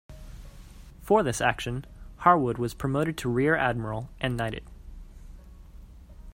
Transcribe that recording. For this action, Harwood was promoted to rear admiral and knighted.